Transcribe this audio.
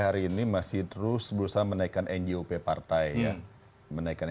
hari ini masih terus berusaha menaikkan